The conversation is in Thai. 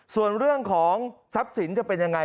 ส่วนเรื่องของทรัพย์สินจะเป็นยังไง